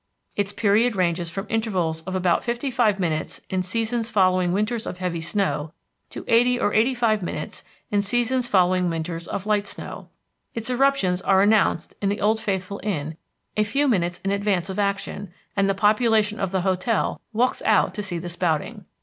Its period ranges from intervals of about fifty five minutes in seasons following winters of heavy snow to eighty or eighty five minutes in seasons following winters of light snow. Its eruptions are announced in the Old Faithful Inn a few minutes in advance of action and the population of the hotel walks out to see the spouting.